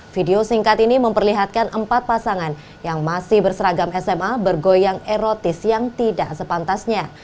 video singkat ini memperlihatkan empat pasangan yang masih berseragam sma bergoyang erotis yang tidak sepantasnya